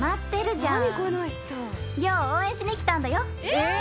えっ？